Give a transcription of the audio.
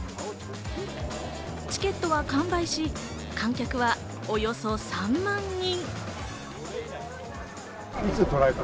チケットは完売し、観客はおよそ３万人。